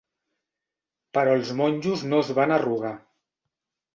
Però els monjos no es van arrugar.